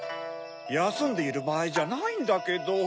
やすんでいるばあいじゃないんだけど。